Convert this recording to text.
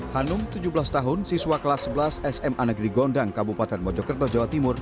hanum tujuh belas tahun siswa kelas sebelas sma negeri gondang kabupaten mojokerto jawa timur